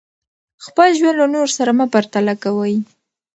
خپل ژوند له نورو سره مه پرتله کوئ.